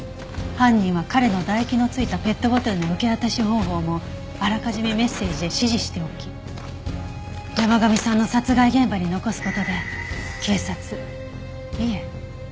犯人は彼の唾液の付いたペットボトルの受け渡し方法もあらかじめメッセージで指示しておき山神さんの殺害現場に残す事で警察いえ